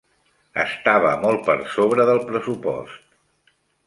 Estava molt per sobre del pressupost.